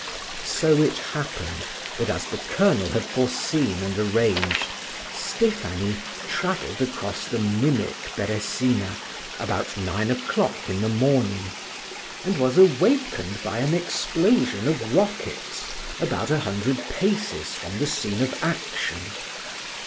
So it happened that, as the colonel had foreseen and arranged, Stephanie traveled across the mimic Beresina about nine o'clock in the morning, and was awakened by an explosion of rockets about a hundred paces from the scene of action.